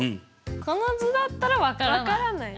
この図だったら分からない。